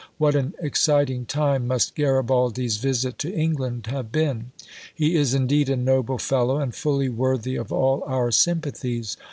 What an exciting time must Garibaldi's visit to England have been. He is indeed a noble fellow, and fully worthy of all our sympathies.